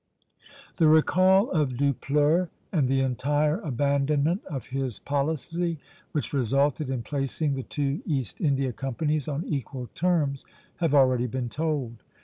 The recall of Dupleix and the entire abandonment of his policy, which resulted in placing the two East India companies on equal terms, have already been told.